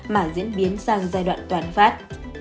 mà diễn biến sang giai đoạn toàn phát